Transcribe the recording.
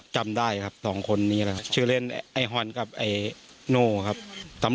ใช่ครับกลัวเรื่องนียบในเนี่ยครับนาน